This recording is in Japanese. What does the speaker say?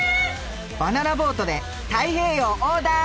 「バナナボートで太平洋横断！」